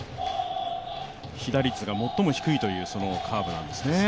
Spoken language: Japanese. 被打率が最も低いというカーブなんですよね。